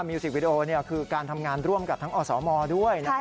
มิวซิกวีดีโอเนี่ยคือการทำงานร่วมกับทั้งอสมด้วยนะครับ